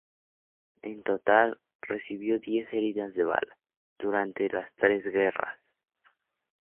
En total, recibió diez heridas de bala, durante las tres guerras.